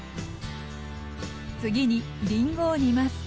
次にりんごを煮ます。